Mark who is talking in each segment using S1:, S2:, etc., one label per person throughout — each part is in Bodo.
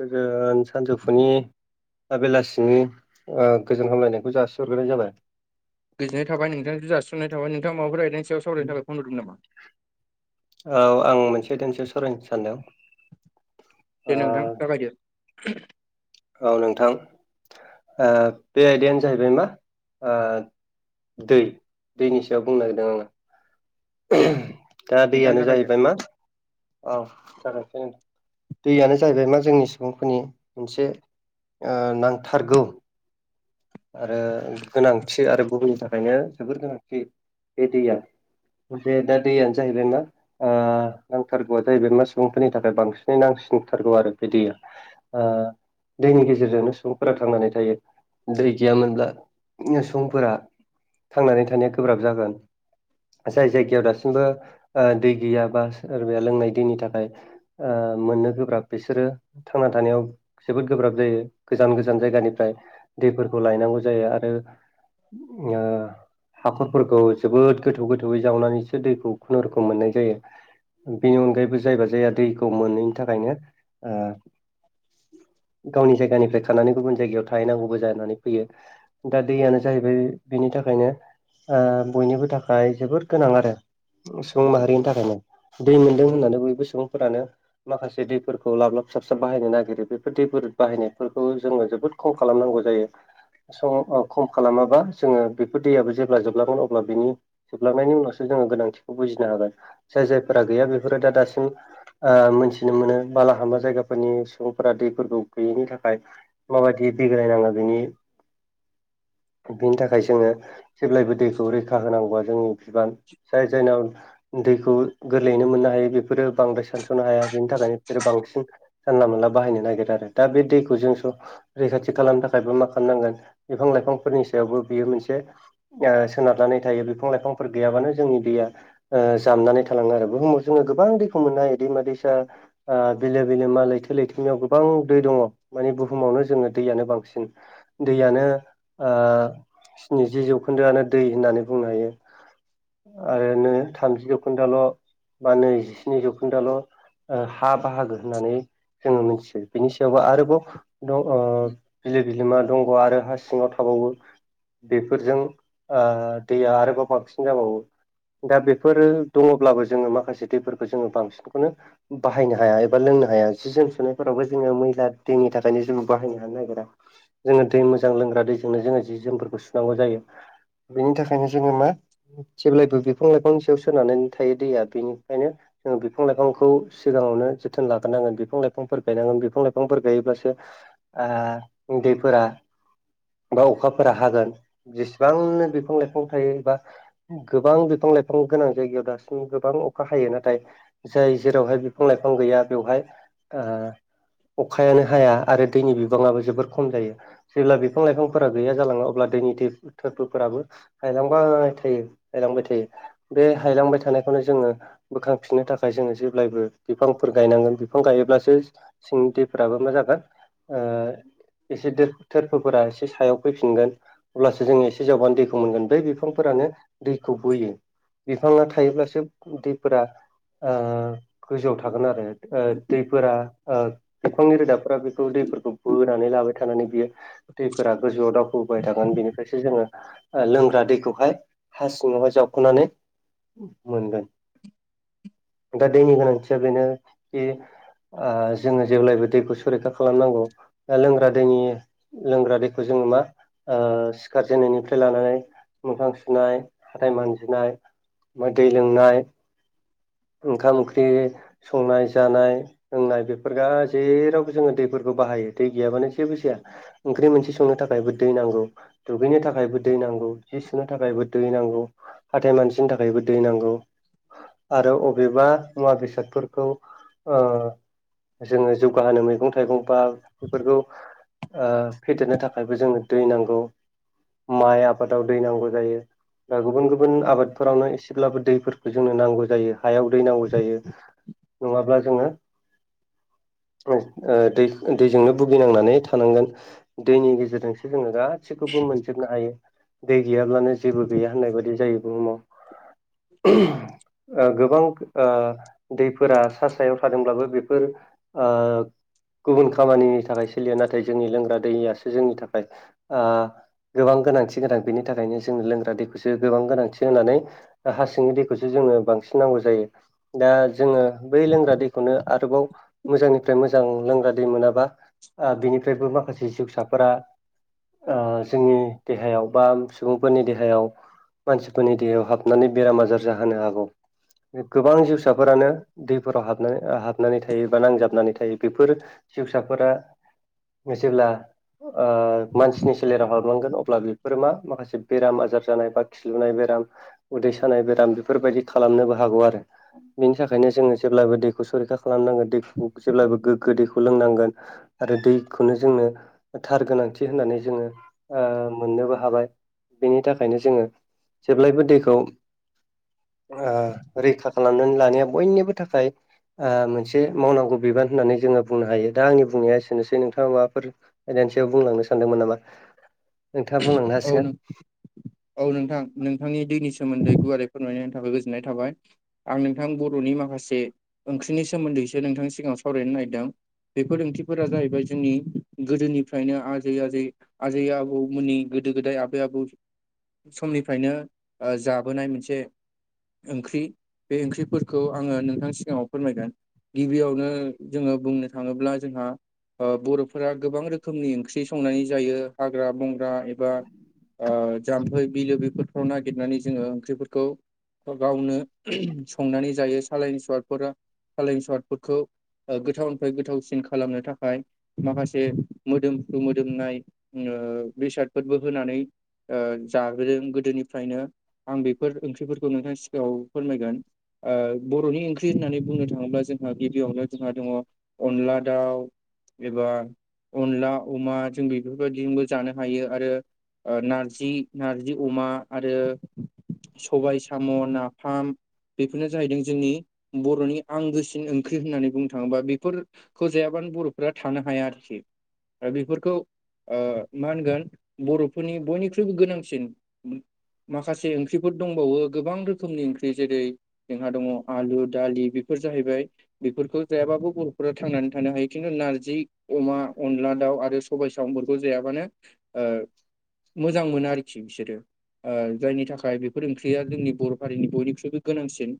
S1: गोजोन सानजौफुनि बेलासिनि गोजोन हामलायनायखौ जासिहरग्रोनाय जाबाय
S2: गोजोननाय थाबाय नोंथांखौ जासिहरनाय थाबाय नोंथां माबाफोर गायदों सायाव सावरायनो थाखाय फन हरदोंमोन नामा?
S1: औ आं मोनसे देनस सावरायनो सानदों
S2: दे
S1: ओ
S2: नोंथां जागायदो
S1: औ नोंथां बे आयदायानो जाहैबाय मा दै दैनि सायाव बुंनो नागिरदों आङो
S2: दे
S1: दा
S2: नोंथां
S1: दैयानो
S2: जागायदो
S1: जाहैबाय मा औ जागोन दैयानो जाहैबाय मा जोंनि सुबुंफोरनि मोनसे ओ नांथारगौ आरो गोनांथि आरो गुबुननि थाखायनो जोबोर गोनांथि बे दैया बे दा दैयानो जाहैबाय मा ओ नांथारगौआ जाहैबाय मा सुबुंफोरनि थाखाय बांसिनै नांसिनथारगौ आरो बे दैया ओ दैनि गेजेरजोंनो सुबुंफोरा थांनानै थायो दै गैयामोनब्ला सुबुंफोरा थांनानै थानाया गोब्राब जागोन जाय जायगायाव दासिमबो ओ दै गैया बा सोरबाया लोंनाय दैनि थाखाय ओ मोननो गोब्राब बिसोरो थांना थानायाव जोबोद गोब्राब जायो गोजान गोजान जायगानिफ्राय दैफोरखौ लायनांगौ जायो आरो हाखरफोरखौ जोबोद गोथौ गोथौयै जावनानैसो दैखौ खुनुरुखुम मोननाय जायो बेनि अनगायैबो जायबा जाया दैखौ मोनैनि थाखायनो गावनि जायगानिफ्राय खानानै गुबुन जायगायाव थाहैनांगौबो जानानै फैयो दा दैयानो जाहैबाय बेनि थाखायनो बयनिबो थाखाय जोबोर गोनां आरो सुबुं माहारिनि थाखायनो दै मोनदों होननानै बयबो सुबुंफोरानो माखासे दैफोरखौ लाब लाब साबसाब बाहायनो नागिरो बेफोर दैफोर बाहायनायफोरखौ जोङो जोबोद खम खालामनांगौ ज जायो खम खालामाबा जोङो बेफोर दैयाबो जेब्ला जोबलगोन अब्ला बिनि जोबलांनायनि उनावसो जोङो गोनांथिखौ बुजिनो हागोन जाय जायफोरा गैया बेफोरो दा दासिम ओ मोनथिनो मोनो बालाहामा जायगाफोरनि सुबुंफोरा दैफोरखौ गैयैनि थाखाय माबायदि बिग्रायनाङो बिनि बिनि थाखाय जोङो जेब्लायबो दैखौ रैखा होनांगौआ जोंनि बिबान जाय जायनाव दैखौ गोरलैयैनो मोननो हायो बेफोरो बांद्राय सानस'नो हाया बेनि थाखायनो बिसोरो बांसिन जानला मोनला बाहायनो नागिरो आरो दा बे दैखौ जों स' रैखाथि खालामनो थाखाय थाखायबो मा खालामनांगोन बिफां लाइफांफोरनि सायावबो बियो मोनसे ओ सोनार लानाय थायो बिफां लाइफांफोर गैयाबानो जोंनि दैया जामनानै थलाङो आरो बुहुमाव जोङो गोबां दैखौ मोननाय बिदि माददि बिलो बिलोमा लैथो लैथो नियाव गोबां दै दङ माने बुहुमावनो जोङो दैयानो बांसिन दैयानो स्निजि जौखोन्दोआनो दै होननानै बुंनो हायो आरो नै थामजि जौखोन्दाल' बा नै जिस्नि जौखोन्दाल' हा बाहागो होननानै जोङो मिथियो बिनि सायावबो आरोबाव दं गिलिर गिलेमा दंग आरो हा सिङाव थाबावो बेफोरजों दैया आरोबाव बांसिन जाबावो दा बेफोरो दङब्लाबो जोङो माखासे दैफोरखौ जोङो बांसिनखौनो बाहायनो हाया एबा लोंनो हाया जि जोम सुनायफोरावबो जोङो मैला दैनि थाखायनो जेबो बाहायनो हानो नागिरा जोङो दै मोजां लोंग्रा दैजोंनो जोङो जि जोमफोरखौ सुनांगौ जायो बेनि थाखायनो जोङो मा जेब्लायबो बिफां लाइफां सायाव सोनारनानै थायो दैया बेनिखायनो जो बिफां लाइफांखौ सिगाङावनो जोथोन लाग्रोनांगोन बिफां लाइफांफोर गायनांगोन बिफां लाइफांफोर गायोब्लासो उन्दैफोरा बा अखाफोरा हागोन जेसेबांनो बिफां लाइफां थायो एबा गोबां बिफां लाइफां गोनां जायगायाव दासिम गोबां अखा हायो नाथाय जाय जेरावहाय बिफां लाइफां गैया बेवहाय अखायानो हाया आरो दैनि बिबाङाबो जोबोर खम जायो जेब्ला बिफां लाइफांफोरा गैया जालाङो अब्ला दैनि थोरबोफोराबो हायलांबाय थायो हायलांबाय थायो बे हायलांबाय थानायखौनो जोङो बोखांफिननो थाखाय जोङो जेब्लायबो बिफांफोर गायनांगोन बिफां गायोब्लासो सिंनि दैफोराबो मा जागोन एसे थोरफोफोरा एसे सायाव फैफिनगोन अब्लासो जोङो एसे जावबानो दैखौ मोनगोन बै बिफांफोरानो दैखौ बोयो बिफाङा थायोब्लासो दैफोरा गोजौआव थागोन आरो दैफोरा बिफांनि रोदाफोरा बेखौ दैफोरखौ बोनानै लाबाय थानानै बियो दैफोरा गोजौआव दावखोबोबाय थागोन बेनिफ्रायसो जोङो लोंग्रा दैखौहाय हा सिङावहाय जावखनानै मोनगोन दा दैनि गोनांथिया बेनो कि जोङो जेब्लायबो दैखौ सरैखा खालामनांगौ लोंग्रा दैनि लोंग्रा दैखौ जोङो मा सिखारजेननायनिफ्राय लानानै मोखां सुनाय हाथाय मानजिनाय ओमफ्राय दै लोंनाय ओंखाम ओंख्रि संनाय जानाय लोंनाय बेफोर जेरावबो जोङो दैफोरखौ बाहायो दै गैयाबानो जों जेबो जाया ओंख्रि मोनसे संनो थाखायबो दै नांगौ दुगैनो थाखायबो दै नांगौ जि सुनो थाखायबो दै नांगौ हाथाय मानजिनो थाखायबो दै नांगौ आरो अबेबा मुवा बेसादफोरखौ जोङो जौगाहोनो मैगं थाइगं बा बेफोरखौ फेदेरनो थाखायबो जोंनो दै नांगौ माइ आबादाव दै नांगौ जायो दा गुबुन गुबुन आबादफोरावनो एसेब्लाबो दैफोर जोंनो नांगौ जायो हायाव दै नांगौ जायो नङाब्ला जोङो दैजों बुं भुगिनांनानै थानांगोन दैनि गेजेरजोंसो जोङो गासिखौबो मोनजोबनो हायो दै गैयाब्लानो जेबो गैया होननाय बायदि जायो बुहुमाव गोबां दैफोरा सा सायाव थादोंब्लाबो बेफोर गुबुन खामानि थाखाय सोलिया नाथाय जोंनि लोंग्रा दैयासो जोंनि थाखाय गोबां गोनांथि गोनां बेनि थाखायनो जों लोंग्रा दैखौसो गोबां गोनांथि होनानै हा सिंनि दैखौसो जोंनो बांसिन नांगौ जायो दा जोङो बै लोंग्रा दैखौनो आरोबाव मोजांनिफ्राय मोजां लोंग्रा दै मोनाबा बिनिफ्रायबो माखासे जिउसाफोरा जोंनि देहायाव बा सुबुंफोरनि देहायाव मानसिफोरनि देहायाव हाबनानै बेराम आजार जाहोनो हागौ गोबां जिउसाफोरानो दैफोराव हाबनानै हाबनानै थायो बा नांजाबनानै थायो बेफोर जिवसाफोरा जेब्ला मानसिनि सोलेराव हाबलांगोन अब्ला बेफोरो मा माखासे बेराम आजार जानाय बा खिलुनाय बेराम उदै सानाय बेराम बेफोरबायदि खालामनोबो हागौ आरो बेनि थाखायनो जोङो जेब्लाबो दैखौ सरैखा खालामनांगोन दैखौ जेब्लाबो गोग्गो दैखौ लोंनांगोन आरो दैखौनो जोंनो थार गोनांथि होननानै जोङो ओ मोननोबो हाबाय बेनि थाखायनो जोङो जेब्लायबो दैखौ आ रैखा खालामनानै लानाया बयनिबो थाखाय आ मोनसे मावनांगौ बिबान होननानै जोङो बुंनो हायो दा आंनि बुंनाया एसोनोसै नोंथाङा माबाफोर आयदानि सायाव बुंलांनो सानदोंमोन नामा नोंथाङा बुंलांनो
S2: औ
S1: हासिगोन
S2: नों औ नोंथां नोंथांनि दैनि सोमोन्दै गुवारै फोरमायनायनि थाखाय गोजोननाय थाबाय आं नोंथां बर'नि माखासे ओंख्रिनि सोमोन्दैसो नोंथांनि सिगाङाव सावरायनो नागिरदों बेफोर ओंख्रिफोरा जाहैबाय जोंनि गोदोनिफ्रायनो आजै आजै आजै आबौमोननि गोदो गोदाय आबै आबौ समनिफ्रायनो जाबोनाय मोनसे ओंख्रि बे ओंख्रिफोरखौ आङो नोंथांनि सिगाङाव फोरमायगोन गिबियावनो जोङो बुंनो थाङोब्ला जोंहा ओ बर'फोरा गोबां रोखोमनि ओंख्रि संनानै जायो हाग्रा बंग्रा एबा ओ जाम्फै बिलो बेफोरफ्राव नागिरनानै जोङो ओंख्रिफोरखौ गावनो संनानै जायो सालायनि सवादफोरा सालायनि सवादफोरखौ गोथावनिफ्राय गोथावसिन खालामनो थाखाय माखासे मोदोमफ्रु मोदोमनाय ओ बेसादफोरबो होनानै ओ जाबोदों गोदोनिफ्रायनो आं बेफोर ओंख्रिफोरखौ नोंथांनि सिगाङाव फोरमायगोन ओ बर'नि ओंख्रि होननानै बुंनो थाङोब्ला जोंहा गिबियावनो जोंहा दङ अनला दाउ एबा अनला अमा जों बेफोरबायदिजोंबो जानो हायो आरो नार जि नारजि अमा आरो सबाय साम' नाफाम बेफोरनो जाहैदों जोंनि बर'नि आंगोसिन ओंख्रि होननानै बुंनो थाङोबा बेफोर खौ जायाबानो बर'फोरा थानो हाया आरोखि दा बेफोरखौ ओ मा होनगोन बर'फोरनि बयनिख्रुइ ख्रुइबो गोनांसिन माखासे ओंख्रिफोर दंबावो गोबां रोखोमनि ओंख्रि जेरै जोंहा दङ आलु दालि बेफोर जाहैबाय बेफोरखौ जायाबाबो बर'फोरा थांनानै थानो हायो खिन्थु नारजि अमा अनला दाउ आरो सबाय सामफोरखौ जायाबानो ओ मोजां मोनो आरोखि बिसोरो जायनि थाखाय बेफोर ओंख्रिया जोंनि बर' हारिनि बयनिख्रुइबो गोनांसिन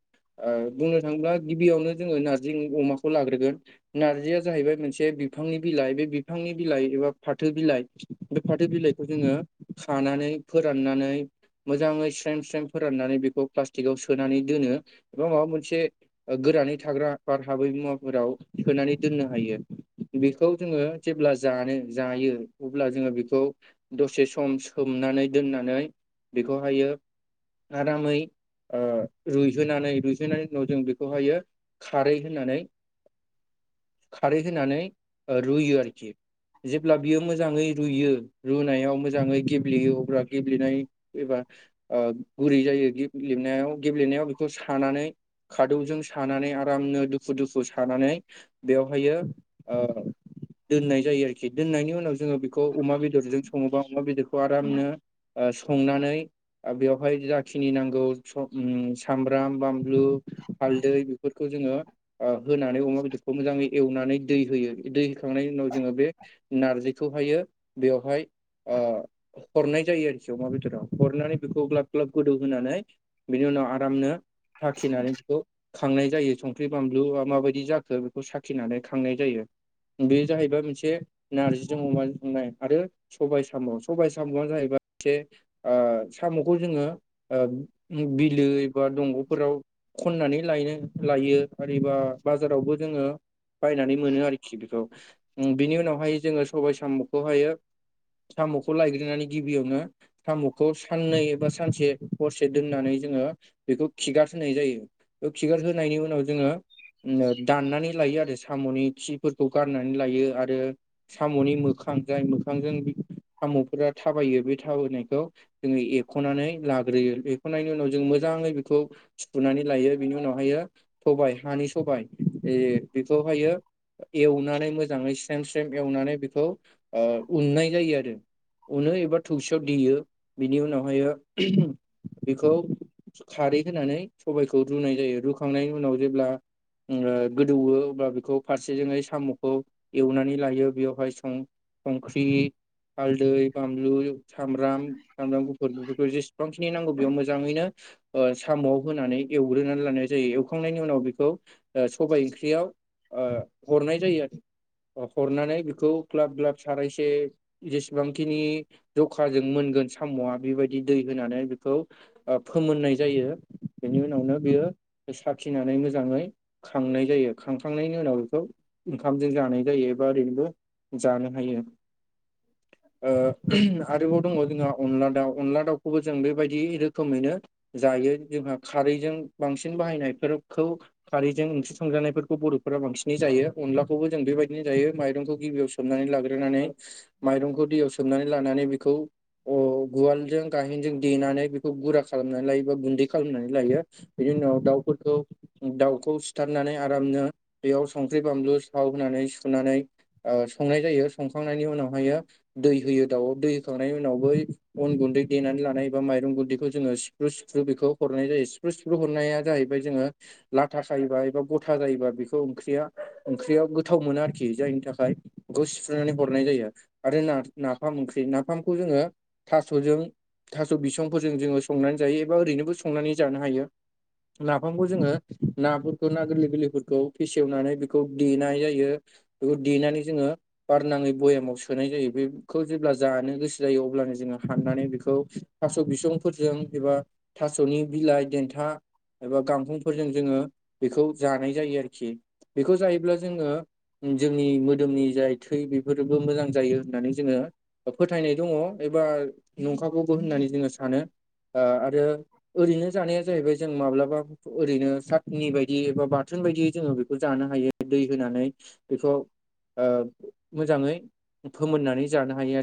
S2: ओ बुंनो थाङोब्ला गिबियावनो जोङो नारजि अमाखौ लाग्रोगोन नारजिया जाहैबाय मोनसे बिफांनि बिलाइ बे बिफांनि बिलाइ एबा फाथो बिलाइ बे फाथो बिलाइखौ जोङो खानानै फोराननानै मोजाङै स्रेम स्रेम फोराननानै बेखौ प्लास्टिकआव सोनानै दोनो एबा माबा मोनसे गोरानै थाग्रा बार हाबै मुवाफोराव सोनानै दोननो हायो बेखौ जोङो जेब्ला जानो जायो अब्ला जोङो बेखौ दसे स सम सोमनानै दोननानै बेखौहायो आरामै ओ रुइहोनानै रुइसोनाय उनाव जों बेखौहायो खारै होनानै खारै होनानै रुयो आरोखि जेब्ला बियो मोजाङै रुयो रुनायाव मोजां मोजाङै गेब्लेयो अब्ला गेब्लेनाय एबा ओ गुरै जायो गेब्लेनायाव गेब्लेनायाव बेखौ सानानै खादौजों सानानै आरामनो दुफु दुफु सानानै बेवहायो ओ दोननाय जायो आरोखि दोननायनि उनाव जोङो बे खौ अमा बेदरजों सङोबा अमा बेदरखौ आरामनो संनानै बेवहाय जाखिनि नांगौ सम सामब्राम बा लु हालदै बेफोरखौ जोङो ओ होनानै अमा बेदरखौ मोजाङै एवनानै दै होयो दै होखांनायनि उनाव जोङो बे नारजिखौहायो बेवहाय ओ हरनाय जायो आरोखि अमा बेदराव हरनानै बेखौ ग्लाब ग्लाब गोदौ होनानै बिनि उनाव आरामनो साखिनानै बेखौ खांनाय जायो संख्रि बानलुआ माबायदि जाखो बेखौ साखिनानै खांनाय जायो। बे जाहैबाय मोनसे नारजिजों अमा संनाय आरो सबाइ साम' सबाय साम'आ जाहैबाय एसे ओ साम'खौ जोङो बिलो एबा दंग'फोराव खननानै लायनो लायो आरोबा बाजारावबो जोङो बायनानै मोनो आरोखि बेखौ बिनि उनावहाय जोङो सबाय साम'खौहायो साम'खौ लायग्रोनानै गिबियावनो साम'खौ साननै एबा सानसे हरसे दोननानै जोङो बेखौ खिगार होनाय जायो। खिगार होनायनि उनाव जोङो दाननानै लायो आरो सा साम'नि खिफोरखौ गारनानै लायो आरो साम'नि मोखां जाय मोखांजों सामुफोरा थाबायो बे थाबायनायखौ जोङो एरख'नानै लाग्रोयो एरख'नायनि उनाव जों मोजाङै बेखौ सुफुनानै लायो बिनि उनावहायो सबाय हानि सबाय ए बेखौहायो एवनानै मोजाङै स्रेम स्रेम एवनानै बेखौ ओ उन्नाय जायो आरो। उननो एबा थबसियाव देयो बिनि उनावहाय बेखौ खारै होनानै सबायखौ रुनाय जायो रुखांनायनि उनाव जेब्ला गोदौवो अब्ला बेखौ फारसेजोंहाय साम'खौ एवनानै लायो बेवहाय सं संख्रि हालदै बानलु सामब्राम सामब्राम गुफुर बेफोरखौ जेसेबांखिनि नांगौ बेयाव मोजाङैनो ओ साम'आव होनानै एवग्रोनानै लानाय जायो एवखांनायनि उनाव बेखौ सबाय ओंख्रियाव ओ हरनाय जायो आरो हरनानै बेखौ ग्लाब ग्लाब सारायसे जेसेबांखिनि जखाजों मोनगोन साम'आ बेबायदि दै होनानै बेखौ फोमोननाय जायो बेनि उनावनो बियो साखिनानै मोजाङै खांनाय जायो खांखांनायनि उनाव बेखौ ओंखामजों जानाय जायो एबा ओरैनोबो जानो हायो। ओ आरोबाव दङ जोंहा अनला दाउ अनला दाउखौबो जों बेबायदि रोखोमैनो जायो जोंहा खारैजों बांसिन बाहायनायफोरखौ खारैजों ओंख्रि संजानायफोरखौ बर'फोरा बांसिनै जायो अनलाखौबो जों बेबायदिनो जायो माइरंखौ गिबियाव सोमनानै लाग्रोनानै माइरंखौ दैयाव सोमनानै लानानै बेखौ उवालजों गाहेनजों देनानै बेखौ गुरा खालामनानै लायो बा गुन्दै खालामनानै लायो। बिनि उनाव दाउफोरखौ दाउखौ सिथारनानै आरामनो बेयाव संख्रि बानलु थाव होनानै सुनानै संनाय जायो संखांनायनि उनावहायो दै होयो दाउआव दै होखांनायनि उनाव बै अन गुन्दै देनानै लानाय एबा माइरं गुन्दैखौ जोङो सिफ्रु सिफ्रु बेखौ हरनाय जायो सिफ्रु सिफ्रु हरनाया जाहैबाय जोङो लाथा सायोबा एबा गथा जायोबा बेखौ ओंख्रिया ओंख्रियाव गोथाव मोनो आरोखि जायनि थाखाय बेखौ सिफ्रुनानै हरनाय जायो आरो ना नाफाम ओंख्रि नाफामखौ जोङो थास'जों थास' बिसंफोरजों जोङो संनानै जायो एबा ओरैनोबो संनानै जानो हायो। लााफामखौ जोङो नाफोरखौ ना गोरलै गोरलैफोरखौ फेसेवनानै बेखौ देनाय जायो। बेखौ देनानै जोङो बारनाङै भयामाव सो सोनाय जायो बेखौ जेब्ला जानो गोसो जायो अब्लानो जोङो हाननानै बेखौ थास' बिसं फोरजों एबा थास'नि बिलाइ देन्था एबा गांफंफोरजों जोङो बेखौ जानाय जायो आरोखि। बेखौ जायोब्ला जोङो जोंनि मोदोमनि जाय थै बेफोरबो मोजां जायो होननानै जोङो फोथायनाय दङ एबा नंखागौबो होननानै जोङो सानो। ओ आरो ओरैनो जानाया जाहैबाय जों माब्लाबा ओरैनो साथनि बायदि एबा बाथोन बायदि जोङो बेखौ जानो हायो। दै होनानै बेखौ ओ मोजाङै फोमोननानै जानो हायो आरोखि